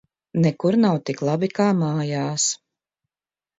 Nekur nav tik labi, kā mājās!